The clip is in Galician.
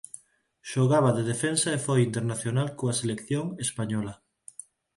Xogaba de defensa e foi internacional coa selección española.